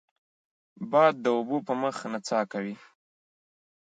باد د اوبو په مخ نڅا کوي